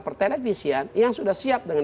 pertelevisian yang sudah siap dengan